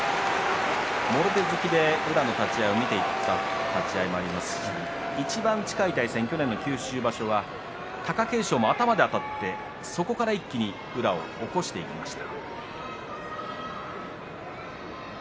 もろ手突きで宇良の立ち合いを見ていった立ち合いもありますしいちばん近い対戦去年の九州場所は貴景勝も頭であたってそこから一気に宇良を起こしていきました。